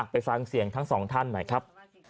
ไปฟังเสียงทั้งสองท่านหน่อยครับ